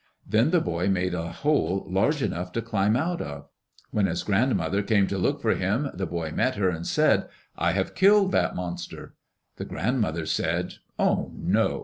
Then the boy made a hole large enough to climb out of. When his grandmother came to look for him, the boy met her and said, "I have killed that monster." The grandmother said, "Oh, no.